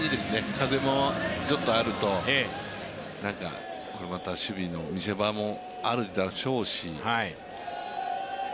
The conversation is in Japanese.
風もちょっとあると、これまた守備の見せ場もあるでしょうし。